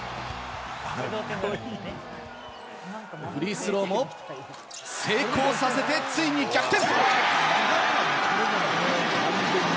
フリースローも成功させて、ついに逆転。